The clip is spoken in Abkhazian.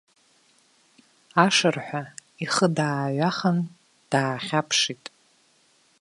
Ашырҳәа ихы дааҩахан, даахьаԥшит.